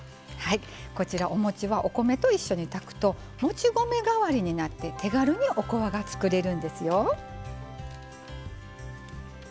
おもちはお米と一緒に炊くともち米がわりになって手軽におこわが作れるんですよ。